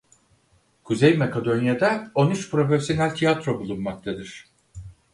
Kuzey Makedonya'da on üç profesyonel tiyatro bulunmaktadır.